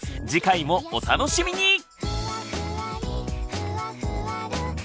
次回もお楽しみに！